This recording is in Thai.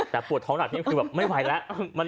แต่ปวดท้องหนักเที่ยงคือแบบไม่ไหวแล้ว